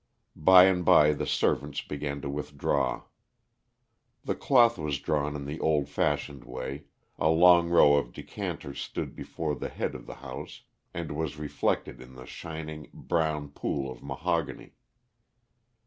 By and by the servants began to withdraw. The cloth was drawn in the old fashioned way, a long row of decanters stood before the head of the house and was reflected in the shining, brown pool of mahogany.